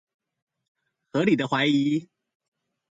合理的懷疑